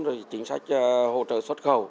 rồi chính sách hỗ trợ xuất khẩu